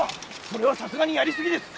それはさすがにやりすぎです。